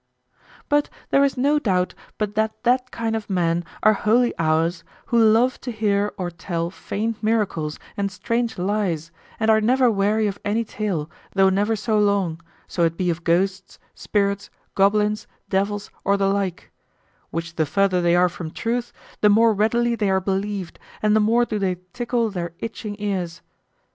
But there is no doubt but that that kind of men are wholly ours who love to hear or tell feigned miracles and strange lies and are never weary of any tale, though never so long, so it be of ghosts, spirits, goblins, devils, or the like; which the further they are from truth, the more readily they are believed and the more do they tickle their itching ears.